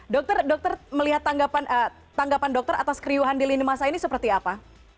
dokter dokter melihat tanggapan dokter atas keriuhan di lini masa ini seperti apa